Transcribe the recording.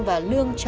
và trần ngọc hiếu